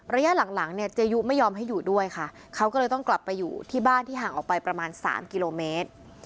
ระยะหลังหลังเนี่ยเจยุไม่ยอมให้อยู่ด้วยค่ะเขาก็เลยต้องกลับไปอยู่ที่บ้านที่ห่างออกไปประมาณสามกิโลเมตร